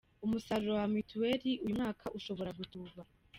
Umusaruro wa mituweli uyu mwaka ushobora gutuba.